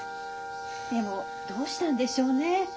でもどうしたんでしょうね。